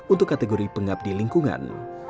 untuk kategori pengabdi lingkungan